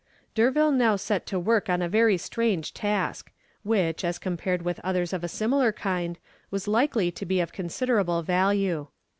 '" D'Urville now set to work on a very strange task, which, as compared with others of a similar kind, was likely to be of considerable value.